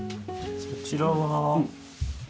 そちらは。